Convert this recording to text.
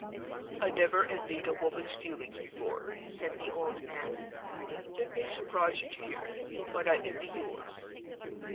"I never envied a woman's feelings before," said the old man. "It may surprise you to hear it; but I envy yours.